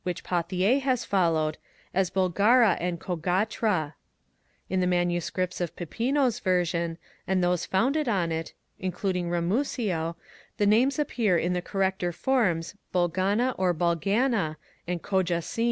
which Pauthier has followed as Bolgara and Cogatra ; in the MSS. of Pipino's 86 INTRODUCTION version, and those founded on it, including Ramusio, the names appear in the correcter forms Bolgana or Balgana and Cogacin.